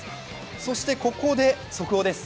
そしてここで速報です。